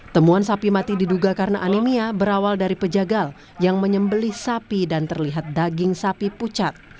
temuan sapi mati diduga karena anemia berawal dari pejagal yang menyembeli sapi dan terlihat daging sapi pucat